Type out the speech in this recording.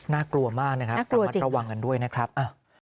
น่ากลัวมากนะครับตามมาตระวังกันด้วยนะครับอ้าวน่ากลัวจริง